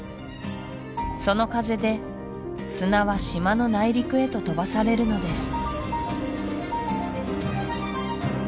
その風で砂は島の内陸へと飛ばされるのです